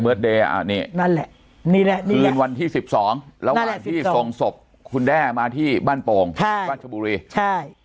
เบิร์ทเดย์นี้คืนวันที่๑๒แล้วห่างที่ส่งศพคุณแด้มาที่บ้านโป่งบ้านชบุรี